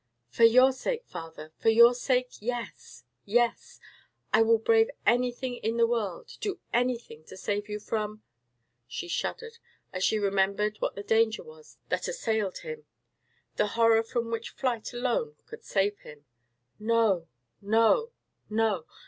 "For your sake, father, for your sake! yes, yes, I will brave anything in the world, do anything to save you from——" She shuddered as she remembered what the danger was that assailed him, the horror from which flight alone could save him. No, no, no!